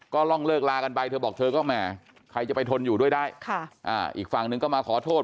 ก็ล่องเลิกลากันไปเธอบอกเธอก็แหมใครจะไปทนอยู่ด้วยได้อีกฝั่งหนึ่งก็มาขอโทษ